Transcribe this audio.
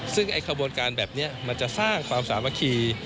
ซึ่งไอ้ขบวนการแบบนี้มันจะสร้างความสามัคคี